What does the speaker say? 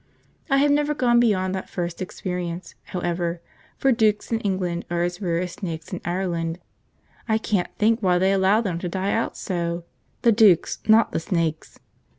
I have never gone beyond that first experience, however, for dukes in England are as rare as snakes in Ireland. I can't think why they allow them to die out so, the dukes, not the snakes.